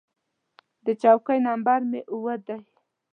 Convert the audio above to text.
د چوکۍ نمبر مې اووه ډي و.